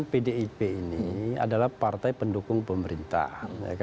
pdip ini adalah partai pendukung pemerintah